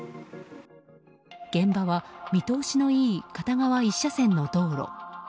現場は見通しのいい片側１車線の道路。